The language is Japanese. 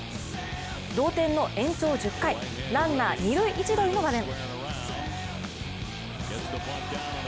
同点の延長１０回ランナー二・一塁の場面。